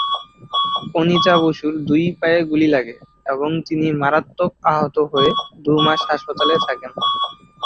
অনিতা বসুর দুই পায়ে গুলি লাগে এবং তিনি মারাত্মক আহত হয়ে দু মাস হাসপাতালে থাকেন।